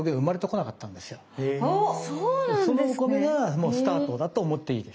そのお米がもうスタートだと思っていいです。